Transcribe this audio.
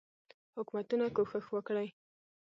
حکومتونه کوښښ وکړي.